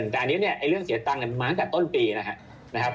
แต่อันนี้เนี่ยเรื่องเสียตังค์มาตั้งแต่ต้นปีนะครับ